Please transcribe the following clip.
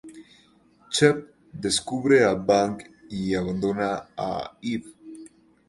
Chev descubre a Vang y abandona a Eve.